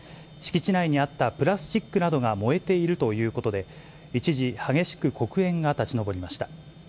敷地内にあったプラスチックなどが燃えているということで、一時、激しく黒煙が立ちのぼりました。